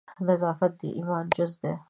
نظافت د ایمان جز ده